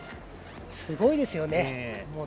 すごいですよね。